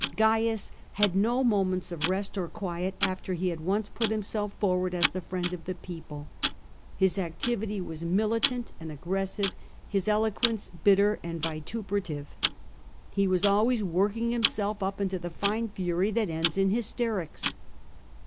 Caius had no moments of rest or quiet after he had once put himself forward as the friend of the people. His activity was militant and aggressive, his eloquence bitter and vituperative. He was always working himself up into the fine fury that ends in hysterics.